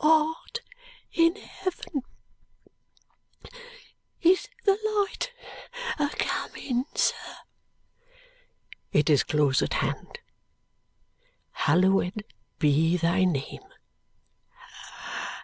"Art in heaven is the light a comin, sir?" "It is close at hand. Hallowed be thy name!"